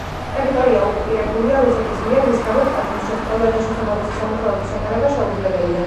ტერიტორია ოკუპირებულია რუსეთის მიერ, რის გამოც ტაძრის შესწავლა და შესაბამისი სამუშაოების ჩატარება შეუძლებელია.